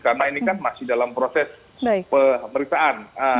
karena ini kan masih dalam proses pemeriksaan